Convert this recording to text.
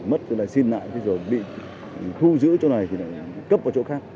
mất rồi lại xin lại rồi bị thu giữ chỗ này thì lại cấp vào chỗ khác